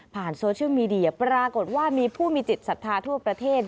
โซเชียลมีเดียปรากฏว่ามีผู้มีจิตศรัทธาทั่วประเทศ